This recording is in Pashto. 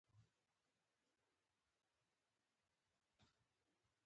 تر باران لاندې ناستې وې او ځینې یې بیا.